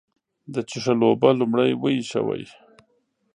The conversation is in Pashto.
د څښلو اوبه لومړی وېشوئ.